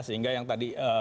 sehingga yang tadi